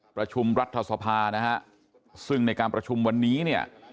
ประชุมรัฐสภานะฮะซึ่งในการประชุมวันนี้เนี่ย